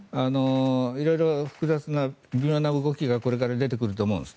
色々複雑な、微妙な動きがこれから出てくると思うんですね。